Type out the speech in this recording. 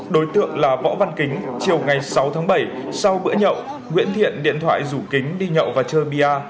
đối tượng là võ văn kính chiều ngày sáu tháng bảy sau bữa nhậu nguyễn thiện điện thoại rủ kính đi nhậu và chơi bia